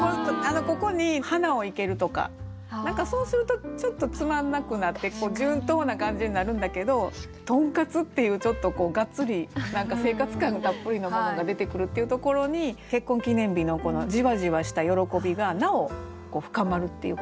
ここに「花を生ける」とか何かそうするとちょっとつまんなくなって順当な感じになるんだけど「とんかつ」っていうちょっとこうがっつり何か生活感たっぷりのものが出てくるっていうところに結婚記念日のこのじわじわした喜びがなお深まるっていうかな。